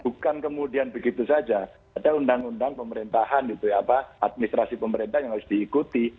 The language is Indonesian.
bukan kemudian begitu saja ada undang undang pemerintahan gitu ya apa administrasi pemerintah yang harus diikuti